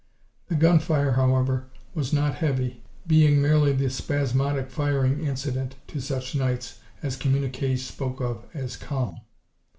The gunfire, however, was not heavy, being merely the spasmodic firing incident to such nights as communiques spoke of as "calm."